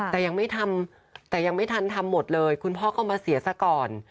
แต่ยังไม่ทำถังหมดเลยคุณพ่อก็มาเสียสักก่อน